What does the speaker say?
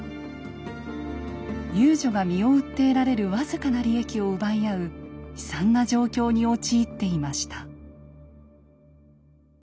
遊女が身を売って得られる僅かな利益を奪い合う悲惨な状況に陥っていました。